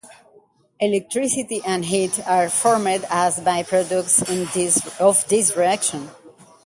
Electricity and heat are formed as by-products of this reaction.